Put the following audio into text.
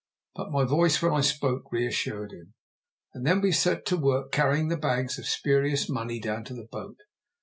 But my voice, when I spoke, reassured him, and then we set to work carrying the bags of spurious money down to the boat.